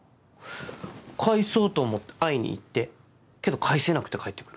返そうと思って会いに行ってけど返せなくて帰ってくる。